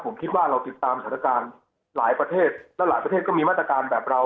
ผมคิดว่าเราติดตามสถานการณ์หลายประเทศและหลายประเทศก็มีมาตรการแบบเรา